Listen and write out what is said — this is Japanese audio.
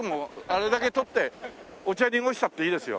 あれだけ撮ってお茶濁したっていいですよ。